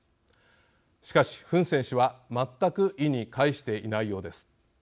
しかし、フン・セン氏は全く意に介していないようです。